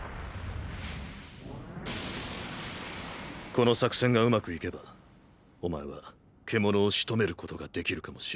この作戦が上手くいけばお前は獣を仕留めることができるかもしれない。